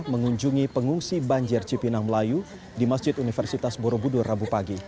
mengunjungi pengungsi banjir cipinang melayu di masjid universitas borobudur rabu pagi